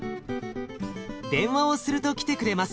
電話をすると来てくれます。